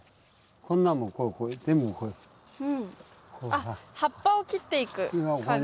あっ葉っぱを切っていく感じ。